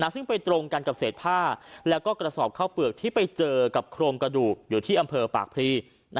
ซึ่งไปตรงกันกับเศษผ้าแล้วก็กระสอบข้าวเปลือกที่ไปเจอกับโครงกระดูกอยู่ที่อำเภอปากพรี